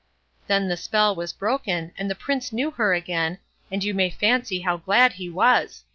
Then the spell was broken, and the Prince knew her again, and you may fancy how glad he was.